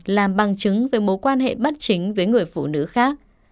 làm bằng chứng về mối quan hệ bất chính với người phụ nữ khác